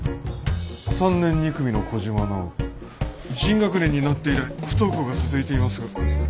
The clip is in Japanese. ３年２組の小嶋尚人新学年になって以来不登校が続いていますが。